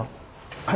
はい。